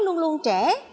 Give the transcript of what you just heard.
luôn luôn trẻ